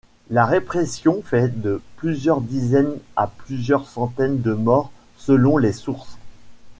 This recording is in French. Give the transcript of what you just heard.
La répression fait de plusieurs dizaines à plusieurs centaines de morts selon les sources.